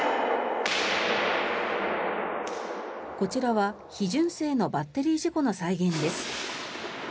こちらは非純正のバッテリー事故の再現です。